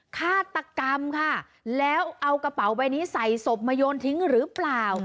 ฆาตกรรมค่ะแล้วเอากระเป๋าใบนี้ใส่ศพมาโยนทิ้งหรือเปล่า